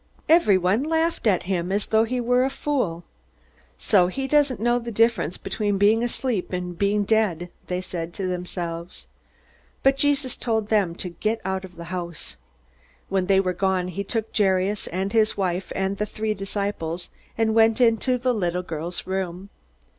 Everyone laughed at him, as though he were a fool. "So he doesn't know the difference between being asleep and being dead," they said to themselves. But Jesus told them to get out of the house. When they were gone he took Jairus and his wife, and the three disciples, and went into the little girl's room.